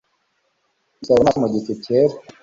Gusabiriza amaso mu gicu cyera